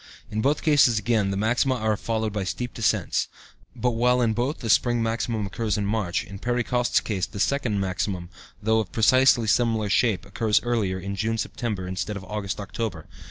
In both cases, again, the maxima are followed by steep descents, but while in both the spring maximum occurs in March, in Perry Coste's case the second maximum, though of precisely similar shape, occurs earlier, in June September instead of August October.